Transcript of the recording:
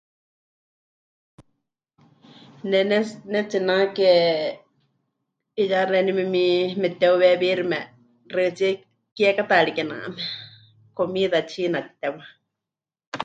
Ne, pɨnetsi... pɨnetsinake 'iyá xeeníu memi... memɨteuweewíxime xaɨtsíe kiekátaari kename, comida china mɨtitewá.